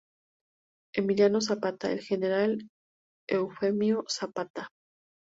Emiliano Zapata, el general Eufemio Zapata.